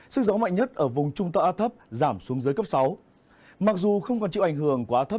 sức gió mạnh nhất ở vùng trung tàu áp thấp